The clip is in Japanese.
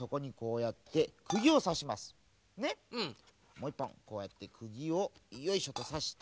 もう１ぽんこうやってくぎをよいしょっとさしたら。